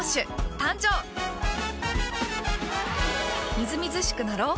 みずみずしくなろう。